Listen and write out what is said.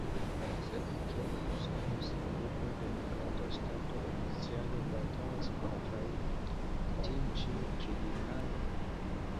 Sed kial Usono, sendube demokrata ŝtato, oficiale batalas kontraŭ tiu ĉi tribunalo?